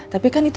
tapi kan itu